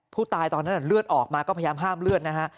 ตอนนั้นเลือดออกมาก็พยายามห้ามเลือดนะฮะ